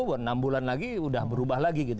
buat enam bulan lagi udah berubah lagi gitu